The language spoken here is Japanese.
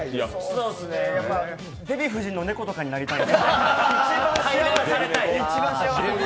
デヴィ夫人の猫とかになりたい。